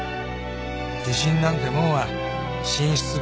自信なんてもんは神出